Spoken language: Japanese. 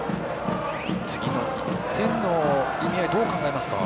次の１点の意味合いどう考えますか？